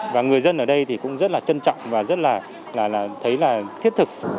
và người dân ở đây thì cũng rất là trân trọng và rất là thấy là thiết thực